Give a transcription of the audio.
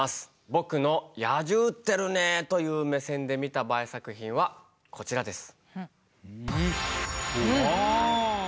僕の「野獣ってるねー！」という目線で見たＢＡＥ作品はこちらです。